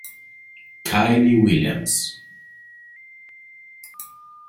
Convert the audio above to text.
Kyle Williams